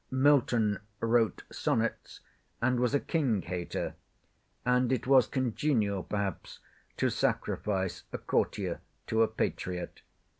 Milton wrote Sonnets, and was a king hater; and it was congenial perhaps to sacrifice a courtier to a patriot.